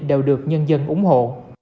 đều được nhân dân ủng hộ